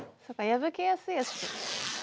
破けやすいやつって。